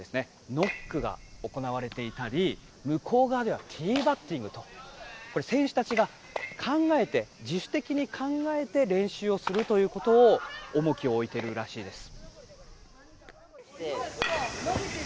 ノックが行われていたり向こう側ではティーバッティングと選手たちが考えて自主的に考えて練習をするということに重きを置いているらしいです。